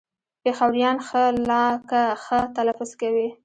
پېښوريان ښ لکه خ تلفظ کوي